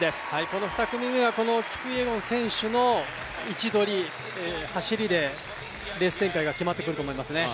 この２組目はキプイエゴン選手の位置取り、走りでレース展開が決まってくると思いますね。